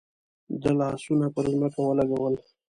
ده لاسونه پر ځمکه ولګول.